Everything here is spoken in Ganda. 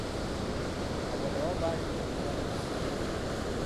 Abo nabo baalemwa okumanya okulya!